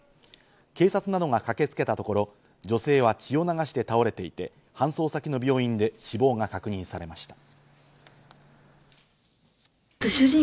警察などが駆けつけたところ、女性は血を流して倒れていて搬送先の病院で死亡が確認されました。